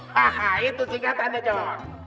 haha itu singkatannya jok